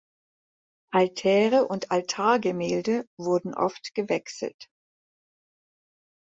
Altäre und Altargemälde wurden oft gewechselt.